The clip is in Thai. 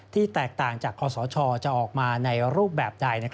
แตกต่างจากคอสชจะออกมาในรูปแบบใด